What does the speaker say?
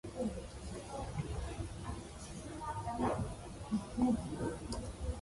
The group includes Bob Crow, Mark Serwotka, and Tony Woodley.